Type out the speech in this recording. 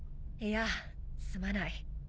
いやすまない。